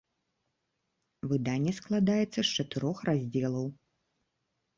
Выданне складаецца з чатырох раздзелаў.